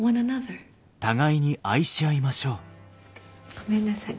ごめんなさい。